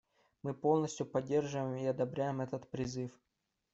Мы полностью поддерживаем и одобряем этот призыв.